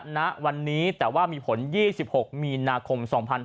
ณวันนี้แต่ว่ามีผล๒๖มีนาคม๒๕๕๙